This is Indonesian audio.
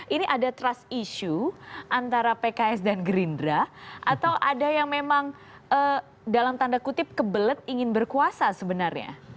ini ada trust issue antara pks dan gerindra atau ada yang memang dalam tanda kutip kebelet ingin berkuasa sebenarnya